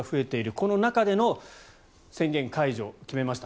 この中での宣言解除を決めました。